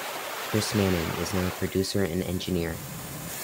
Chris Manning is now a producer and engineer.